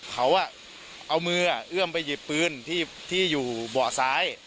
เขาเอามือเอื้อมไปหยิบปืนที่อยู่เบาะซ้าย